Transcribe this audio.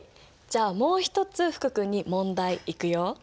じゃあもう一つ福くんに問題いくよ。